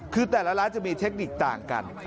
คือแต่ละร้านจะมีเทคนิคต่างกัน